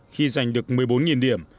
khi giành được một mươi bốn điểm